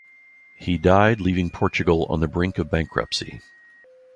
He died leaving Portugal on the brink of bankruptcy.